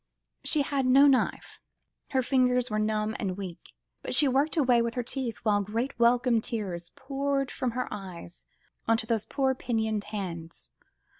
She had no knife, her fingers were numb and weak, but she worked away with her teeth, while great welcome tears poured from her eyes, onto those poor, pinioned hands.